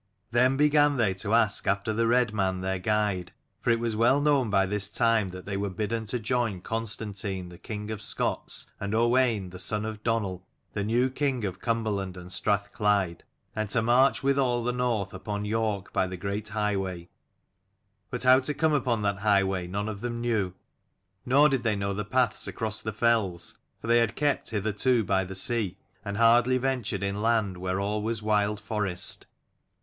Then began they to ask after the red man their guide, for it was well known by this time that they were bidden to join Constantine the king of Scots and Owain the son of Donal, the new king of Cumberland and Strathclyde, and to march with all the north upon York by the great highway. But how to come upon that highway none of them knew, nor did they know the paths across the fells, for they had kept hitherto by the sea and hardly ventured inland where all was wild forest.